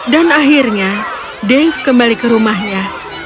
dan akhirnya dave kembali ke rumahnya